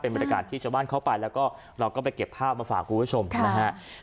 เป็นบริการที่ชาวบ้านเข้าไปแล้วก็ไปเก็บภาพมาฝากคุณผู้ชมนะฮะ